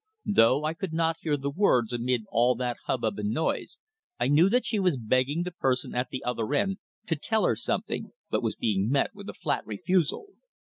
Though I could not hear the words amid all that hubbub and noise, I knew that she was begging the person at the other end to tell her something, but was being met with a flat refusal.